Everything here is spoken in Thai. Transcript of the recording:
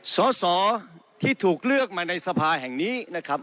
สอสอที่ถูกเลือกมาในสภาแห่งนี้นะครับ